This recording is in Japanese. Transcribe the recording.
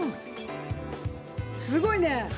すごいね！